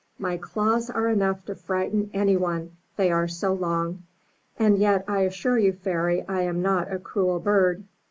My claws are enough to frighten any one, they are so long; and yet I assure you, Fairy, I am not a cruel bird.